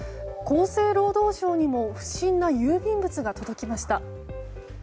厚生労働省にも不審な郵便物が届きました。